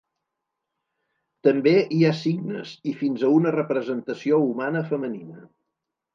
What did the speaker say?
També hi ha signes i fins a una representació humana femenina.